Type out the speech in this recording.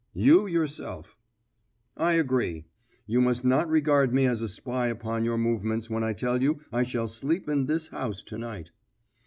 "You yourself." "I agree. You must not regard me as a spy upon your movements when I tell you I shall sleep in this house to night."